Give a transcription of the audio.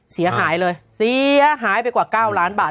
เสียหายเลยเสียหายไปกว่า๙ล้านบาท